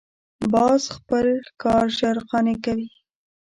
باز خپل ښکار ژر قانع کوي